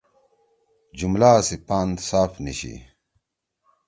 جملا سی پان صاف نی چھی۔